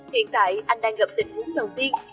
hiện tại anh đang gặp tình huống đầu tiên